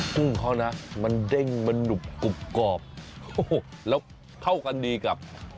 กุ้งเขานะมันเด้งมันหนุบกรุบกรอบแล้วเข้ากันดีกับ